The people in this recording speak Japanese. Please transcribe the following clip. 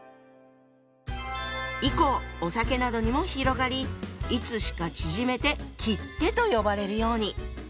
以降お酒などにも広がりいつしか縮めて「切手」と呼ばれるように。